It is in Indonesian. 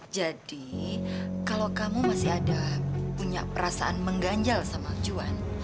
jadi kalau kamu masih ada punya perasaan mengganjal sama juan